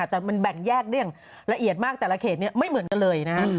แต่มันแบ่งแยกได้อย่างละเอียดมากแต่ละเขตนี้ไม่เหมือนกันเลยนะฮะ